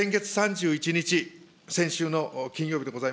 先月３１日、先週の金曜日でござ